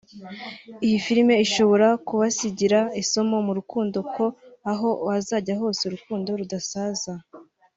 Iyi filime ishobora kubasigira isomo mu rukundo ko aho wazajya hose urukundo rudasaza